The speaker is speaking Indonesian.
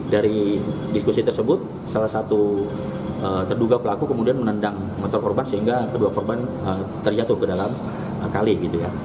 dari diskusi tersebut salah satu terduga pelaku kemudian menendang motor korban sehingga kedua korban terjatuh ke dalam kali gitu ya